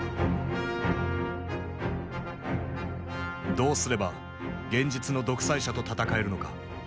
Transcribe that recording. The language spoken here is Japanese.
どうすれば現実の独裁者と闘えるのか。